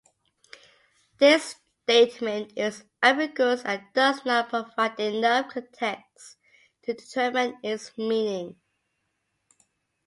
This statement is ambiguous and does not provide enough context to determine its meaning.